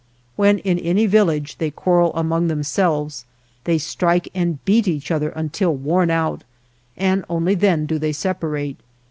When, in any village, they quarrel among themselves, they strike and beat each other until worn out, and only then do they sepa rate.